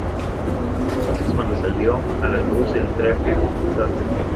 Fue entonces cuando salió a la luz el "traje sastre".